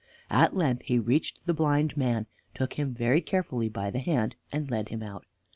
At length he reached the blind man, took him very carefully by the hand, and led him out.